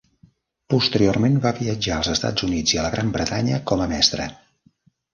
Posteriorment va viatjar als Estats Units i a la Gran Bretanya com a mestre.